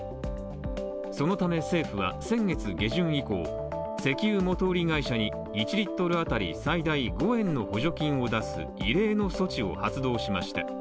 そのため、政府は先月下旬以降、石油元売り会社に１リットル当たり最大５円の補助金を出す、異例の措置を発動しました。